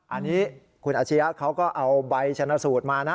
อันนี้คุณอาชียะเขาก็เอาใบชนะสูตรมานะ